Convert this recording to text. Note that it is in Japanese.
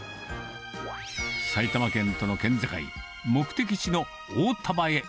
埼玉県との県境、目的地の大丹波へ。